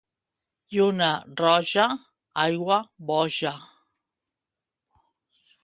Lluna roja, aigua boja.